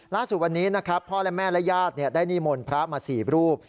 ล่าสุดวันนี้นะครับพ่อและแม่และญาติได้นิมนต์พระมา๔รูป